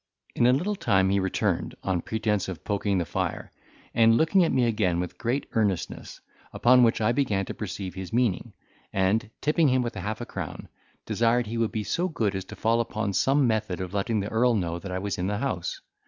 In a little time he returned, on pretence of poking the fire, and looked at me again with great earnestness; upon which I began to perceive his meaning, and, tipping him with half a crown, desired he would be so good as to fall upon some method of letting the earl know that I was in the house.